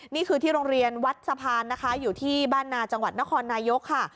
นี่คือที่โรงเรียนวัดสะพานนะคะอยู่ที่บ้านนาจังหวัดนครนายกค่ะ